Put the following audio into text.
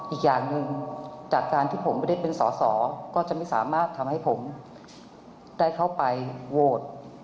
อีกอย่างหนึ่งจากการที่ผมไม่ได้เป็นสอสอก็จะไม่สามารถทำให้ผมได้เข้าไปโหวต